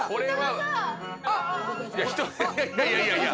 いや人いやいや。